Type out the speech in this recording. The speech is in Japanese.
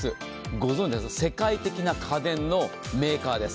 ご存じですか、世界的な家電のメーカーです。